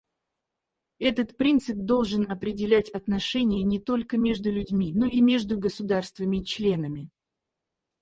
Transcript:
Этот принцип должен определять отношения не только между людьми, но и между государствами-членами.